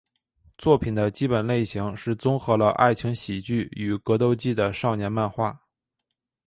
作品的基本类型是综合了爱情喜剧与格斗技的少年漫画。